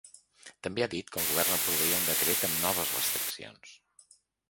També ha dit que el govern aprovaria un decret amb noves restriccions.